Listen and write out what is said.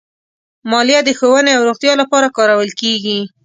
مالیه د ښوونې او روغتیا لپاره کارول کېږي.